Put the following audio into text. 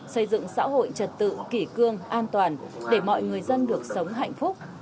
xây dựng xã hội trật tự kỷ cương an toàn để mọi người dân được sống hạnh phúc